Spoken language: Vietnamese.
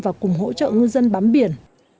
và cùng hỗ trợ ngư dân bám biển